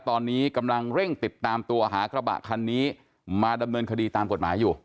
ตอนนี้กำลังเร่งติดตามตัวหากระบะคันนี้มาดำเนินคดีตามกฎหมายอยู่